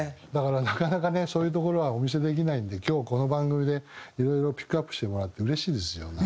だからなかなかねそういうところはお見せできないんで今日この番組でいろいろピックアップしてもらってうれしいですよ。